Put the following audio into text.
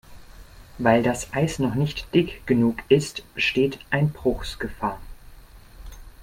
Weil das Eis noch nicht dick genug ist, besteht Einbruchsgefahr.